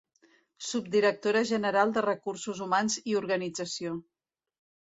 Subdirectora General de Recursos Humans i Organització.